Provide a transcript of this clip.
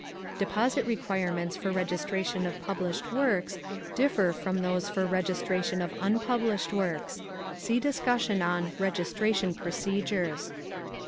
+ Deposit requirements for registration of published works differ from those for registration of unpublished works. See discussion on "Registration Procedures."